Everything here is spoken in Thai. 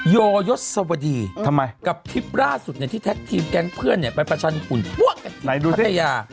โยยสวดีกับคลิปล่าสุดที่แท็กทีมแกนเพื่อนเนี่ยเป็นประชันขุนพวกกับคลิปภัตติยา